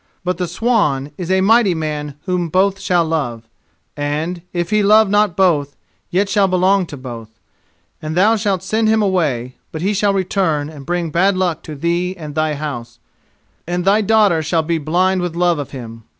But the swan is a mighty man whom both shall love, and, if he love not both, yet shall belong to both. And thou shalt send him away; but he shall return and bring bad luck to thee and thy house, and thy daughter shall be blind with love of him.